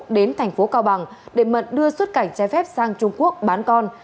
đến thành phố cao bằng để mận đưa xuất cảnh che phép sang trung quốc bán con